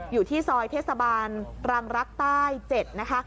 อยู่ที่ซอยเทศบาลรังรักใต้๗นะคะ